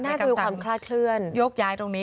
น่าจะมีความคลาดเคลื่อนยกย้ายตรงนี้